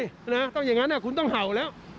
ต้องอย่างนั้นคุณต้องเห่าแล้ว